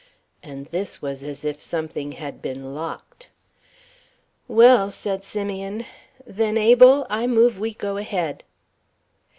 And this was as if something had been locked. "Well," said Simeon, "then, Abel, I move we go ahead."